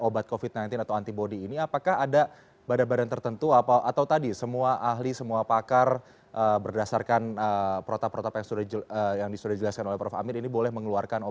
baik atau di telepon